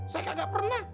saya gak pernah